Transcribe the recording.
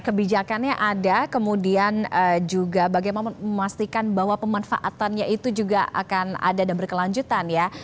kebijakannya ada kemudian juga bagaimana memastikan bahwa pemanfaatannya itu juga akan ada dan berkelanjutan ya